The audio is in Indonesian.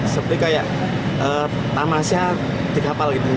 seperti kayak tamasnya di kapal gitu